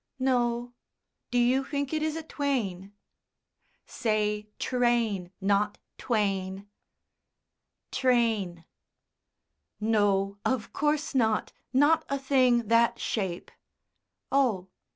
"No. Do you think it is a twain?" "Say train not twain." "Train." "No, of course not; not a thing that shape." "Oh!